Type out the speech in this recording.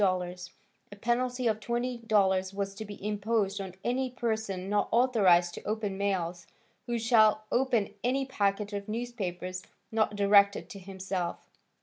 A penalty of $20 was to be imposed on any person not authorized to open mails, who shall open any packet of newspapers not directed to himself.